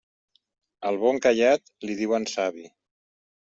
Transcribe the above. Al bon callat li diuen savi.